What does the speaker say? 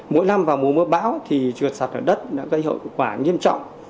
mỗi năm vào mùa mưa bão thì trượt sạt lở đất đã gây hậu quả nghiêm trọng